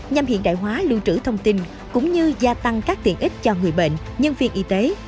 nhằm hiện đại hóa lưu trữ thông tin cũng như gia tăng các tiện ích cho người bệnh nhân viên y tế